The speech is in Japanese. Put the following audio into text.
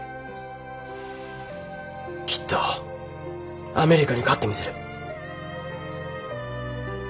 きっとアメリカに勝ってみせる。